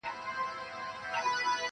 چي یې واورم درد مي هېر سي چي درد من یم-